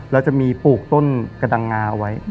แล้วจะมีปลูกต้นกระดังงาเอาไว้